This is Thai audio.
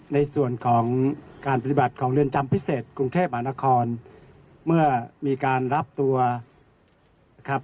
ในส่วนของการปฏิบัติของเรือนจำพิเศษกรุงเทพมหานครเมื่อมีการรับตัวนะครับ